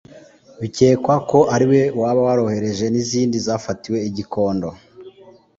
Bikekwa ko ariwe waba warohereje n’izindi zafatiwe i Gikondo